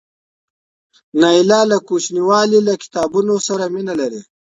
نایله له کوچنیوالي له کتابونو سره مینه لرله.